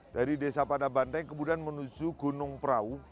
dari desa patabandeng kemudian menuju gunung pranowo